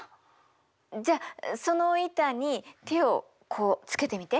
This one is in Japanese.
じゃあその板に手をこうつけてみて。